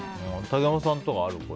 竹山さんとかある？